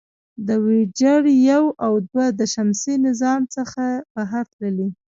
د وویجر یو او دوه د شمسي نظام څخه بهر تللي دي.